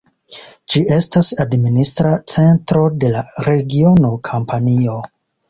Ĝi estas administra centro de la regiono Kampanio.